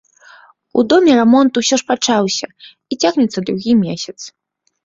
У доме рамонт усё ж пачаўся і цягнецца другі месяц.